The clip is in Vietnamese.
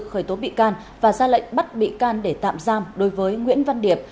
khởi tố bị can và ra lệnh bắt bị can để tạm giam đối với nguyễn văn điệp